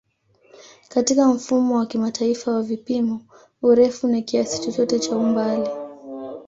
Katika Mfumo wa Kimataifa wa Vipimo, urefu ni kiasi chochote cha umbali.